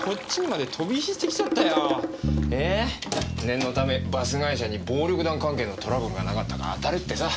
念のためバス会社に暴力団関係のトラブルがなかったか当たれってさ。